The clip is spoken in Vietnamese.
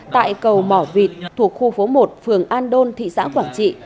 tại cầu mỏ vịt thuộc khu phố một phường an đôn thị xã quảng trị